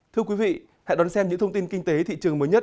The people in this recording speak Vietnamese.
thưa quý vị hãy đón xem những thông tin kinh tế thị trường mới nhất